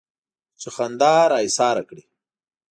چې خندا را ايساره کړي.